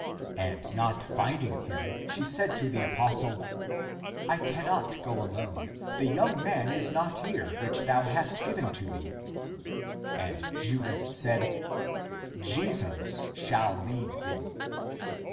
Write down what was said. And not finding him, she said to the apostle, " I can not go alone. The young man is not here, which thou hast given to me." And Judas said, " Jesus shall lead thee."